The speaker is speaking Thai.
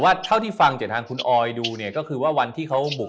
เท่าที่ฟังจากทางคุณออยดูเนี่ยก็คือว่าวันที่เขาบุก